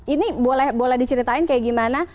ini boleh diceritain kayak gimana